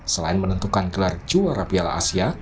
selain menentukan gelar juara piala asia